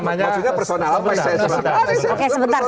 maksudnya personal oke sebentar